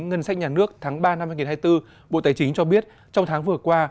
ngân sách nhà nước tháng ba năm hai nghìn hai mươi bốn bộ tài chính cho biết trong tháng vừa qua